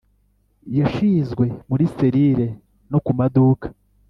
yashizwe muri selire no kumaduka